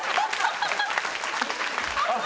あっ！